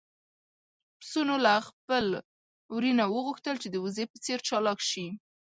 پسونو له خپل وري نه وغوښتل چې د وزې په څېر چالاک شي.